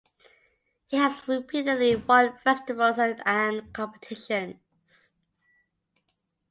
He has repeatedly won festivals and competitions.